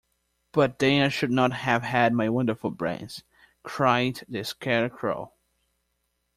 But then I should not have had my wonderful brains! cried the Scarecrow.